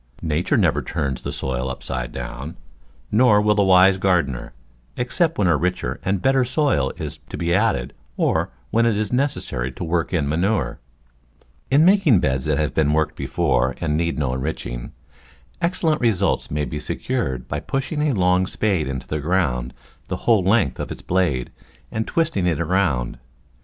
Nature never turns the soil upside down ; nor will the wise gardener, except when a richer and better soil is to be added or when it is necessary to work in manure. In making beds that have been worked before and need no enriching, excellent results may be se cured by pushing a long spade into the ground the Digitized by Google 8 The Flower Garden [Chapter whole length of its blade and twisting it around.